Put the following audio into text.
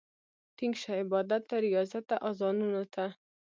ټينګ شه عبادت ته، رياضت ته، اذانونو ته